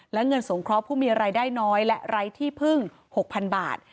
และเงินสงครอบฟูมีรายได้น้อยและรายที่พึ่ง๖๐๐๐บาท